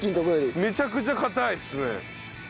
めちゃくちゃかたいですね。